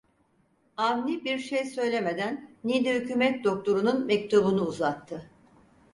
Avni bir şey söylemeden Niğde hükümet doktorunun mektubunu uzattı.